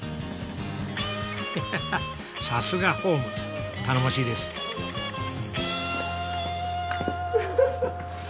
ハハハッさすがホーム頼もしいです。え。